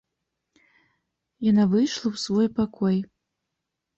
Яна выйшла ў свой пакой.